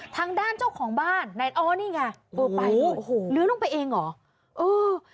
ทางด้านเจ้าของบ้านนี่ไงโอ้โหเลื้อลงไปเองเหรอ